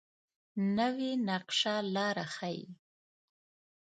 نوې نقشه لاره ښيي